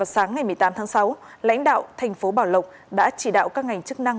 sáng ngày một mươi tám tháng sáu lãnh đạo tp bảo lộc đã chỉ đạo các ngành chức năng